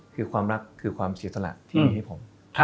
คือความรักคือความเสียสละที่มีให้ผม